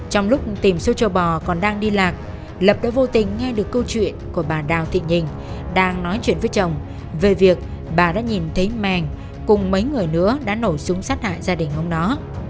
trong lúc tìm xô châu bò còn đang đi lạc lập đã vô tình nghe được câu chuyện của bà đào thị nhìn đang nói chuyện với chồng về việc bà đã nhìn thấy màng cùng mấy người nữa đã nổ súng sát hại gia đình ông nó